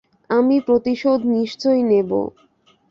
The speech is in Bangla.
আমি প্রতিশোধ নিশ্চয়ই নেবো।